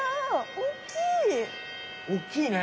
大きいね！